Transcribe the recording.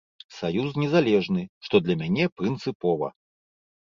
Саюз незалежны, што для мяне прынцыпова.